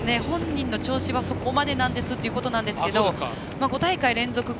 本人の調子はそこまでなんですっていうことですが５大会連続